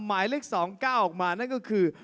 หมายเลข๒ก้าวออกมานั่นคือ